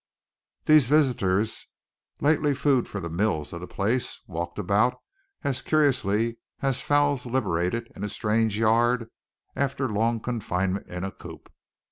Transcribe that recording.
These visitors, lately food for the mills of the place, walked about as curiously as fowls liberated in a strange yard after long confinement in a coop.